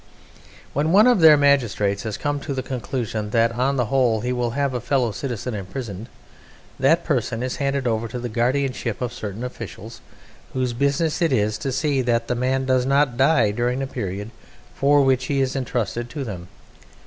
When one of their magistrates has come to the conclusion that on the whole he will have a fellow citizen imprisoned, that person is handed over to the guardianship of certain officials, whose business it is to see that the man does not die during the period for which he is entrusted to them.